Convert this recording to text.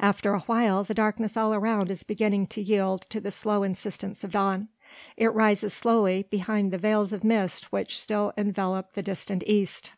After a while the darkness all around is beginning to yield to the slow insistence of dawn. It rises slowly behind the veils of mist which still envelop the distant East.